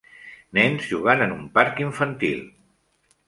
Nens jugant en un parc infantil.